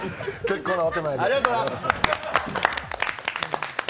ありがとうございます。